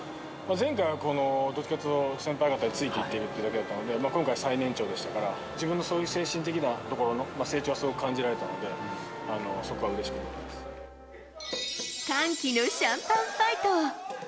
前回はどっちかっていうと、先輩方についていってるっていうだけだったので、今回は最年長だったので、そういう精神的なところの成長をすごく感じられたので、そこはう歓喜のシャンパンファイト。